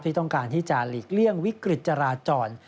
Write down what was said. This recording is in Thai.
ต้องการที่จะหลีกเลี่ยงวิกฤตจราจร